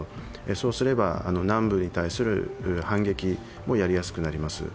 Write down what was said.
そうすれば南部に対する反撃もやりやすくなります。